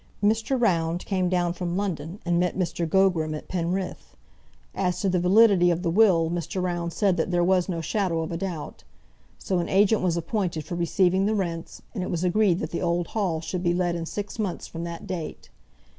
Mr. Round came down from London, and met Mr. Gogram at Penrith. As to the validity of the will Mr. Round said that there was no shadow of a doubt. So an agent was appointed for receiving the rents, and it was agreed that the old Hall should be let in six months from that date.